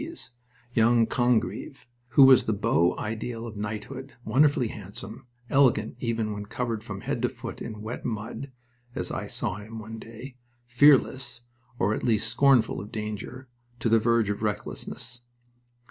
's young Congreve, who was the beau ideal of knighthood, wonderfully handsome, elegant even when covered from head to foot in wet mud (as I saw him one day), fearless, or at least scornful of danger, to the verge of recklessness.